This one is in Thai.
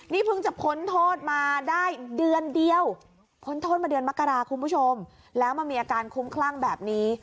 นี้พึ่งจะขนโทษมาได้เดือนเดียวด้ระครุมผู้ชมเป็นเดือนมครคุมคลั่งแบบนี้